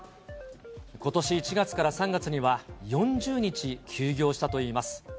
ことし１月から３月には、４０日休業したといいます。